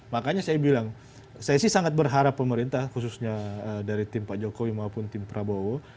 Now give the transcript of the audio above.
makanya saya bilang saya sih sangat berharap pemerintah khususnya dari tim pak jokowi maupun tim prabowo